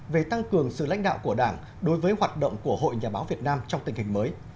về tăng cường sự lãnh đạo của đảng đối với hoạt động của hội nhà báo việt nam trong tình hình mới